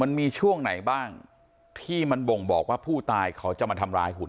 มันมีช่วงไหนบ้างที่มันบ่งบอกว่าผู้ตายเขาจะมาทำร้ายคุณ